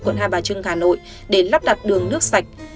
quận hai bà trưng hà nội để lắp đặt đường nước sạch